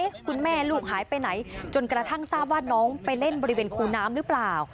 คุณแม่ลูกหายไปไหนจนกระทั่งทราบว่าน้องไปเล่นบริเวณคูน้ำหรือเปล่า